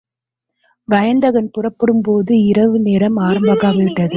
வயந்தகன் புறப்படும்போது இரவு நேரம் ஆரம்பமாகி விட்டது.